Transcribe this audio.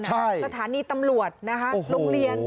สถานีตำรวจโรงเรียน